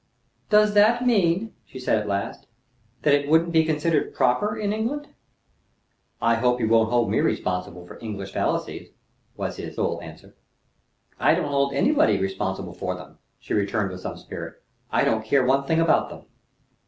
"Does that mean," she said at length, "that it wouldn't be considered proper in England?" "I hope you won't hold me responsible for English fallacies," was his sole answer. "I don't hold anybody responsible for them," she returned with some spirit. "I don't care one thing about them."